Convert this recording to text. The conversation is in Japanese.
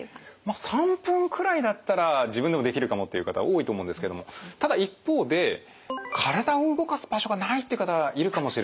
３分くらいだったら自分でもできるかもっていう方多いと思うんですけどもただ一方で体を動かす場所がないって方いるかもしれません。